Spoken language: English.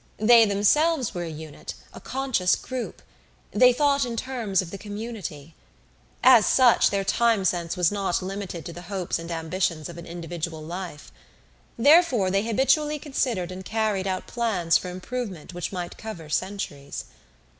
They themselves were a unit, a conscious group; they thought in terms of the community. As such, their time sense was not limited to the hopes and ambitions of an individual life. Therefore, they habitually considered and carried out plans for improvement which might cover centuries.